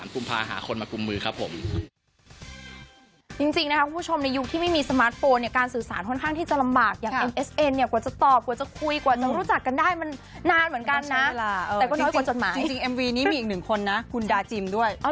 ๑๓กุมภาคมหาคนมากุมมือครับผม